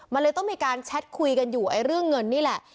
มันเลยต้องมีการแชทคุยกันอยู่เรื่องเงินนี่แหละ